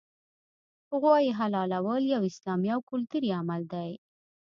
غوايي حلالول یو اسلامي او کلتوري عمل دی